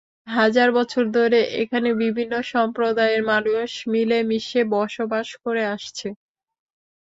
হাজার বছর ধরে এখানে বিভিন্ন সম্প্রদায়ের মানুষ মিলেমিশে বসবাস করে আসছে।